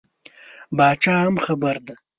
پاچا هم خبر دی.